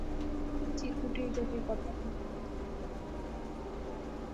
চিরকুটে এই জাতীয় কথা আপনি কেন লিখলেন।